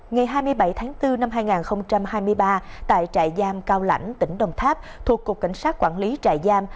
ngày hai mươi bảy tháng bốn năm hai nghìn hai mươi ba tại trại giam cao lãnh tỉnh đồng tháp thuộc cục cảnh sát quản lý trại giam